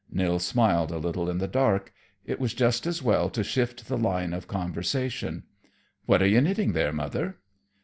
Nils smiled a little in the dark. It was just as well to shift the line of conversation. "What are you knitting there, Mother?"